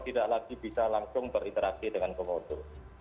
tidak lagi bisa langsung berinteraksi dengan komodo